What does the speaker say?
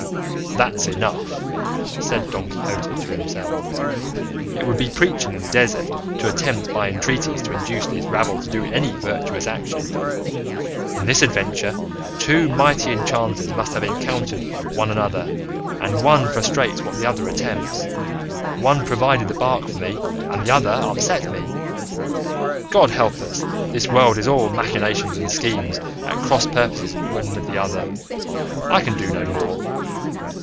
"That's enough," said Don Quixote to himself, "it would be preaching in the desert to attempt by entreaties to induce this rabble to do any virtuous action. In this adventure two mighty enchanters must have encountered one another, and one frustrates what the other attempts; one provided the bark for me, and the other upset me; God help us, this world is all machinations and schemes at cross purposes one with the other. I can do no more."